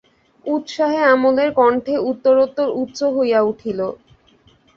উৎসাহে অমলের কণ্ঠে উত্তরোত্তর উচ্চ হইয়া উঠিল।